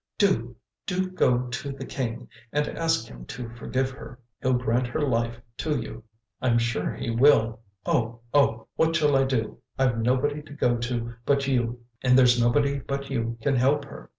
do, do go to the king, and ask him to forgive her. He'll grant her life to you. I'm sure he will. Oh! oh! what shall I do! I've nobody to go to but you, and there's nobody but you can help her!"